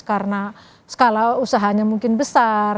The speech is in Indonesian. karena skala usahanya mungkin besar